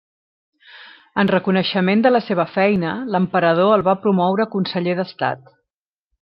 En reconeixement de la seva feina, l'emperador el va promoure Conseller d'Estat.